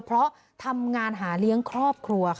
เพราะทำงานหาเลี้ยงครอบครัวค่ะ